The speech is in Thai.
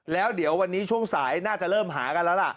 แล้วเดี๋ยววันนี้ช่วงสายน่าจะเริ่มหากันแล้วล่ะ